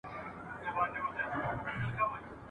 په بغارو په فریاد سول له دردونو !.